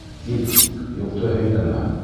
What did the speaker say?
Кит, юҡты һөйләмә!